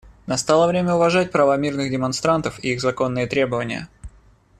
Настало время уважать права мирных демонстрантов и их законные требования.